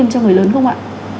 cho người lớn không ạ